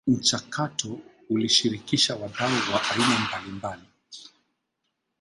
Mchakato ulishirikisha wadau wa aina mbalimbali